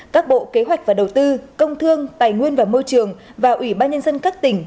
các bộ kế hoạch và đầu tư công thương tài nguyên và môi trường và ủy ban nhân dân các tỉnh